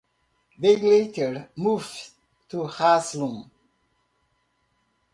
They later moved to Haslum.